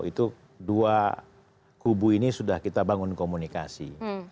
itu dua kubu ini sudah kita bangun komunikasi